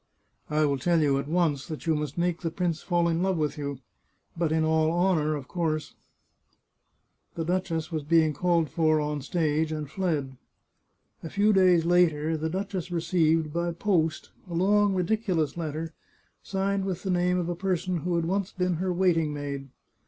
" I will tell you at once that you must make the prince fall in love with you ... but in all honour, of course !" The duchess was being called for on the stage, and fled. A few days later, the duchess received, by post, a long ridiculous letter, signed with the name of a person who had once been her waiting maid.